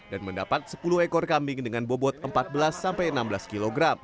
dan mendapat sepuluh ekor kambing dengan bobot empat belas enam belas kg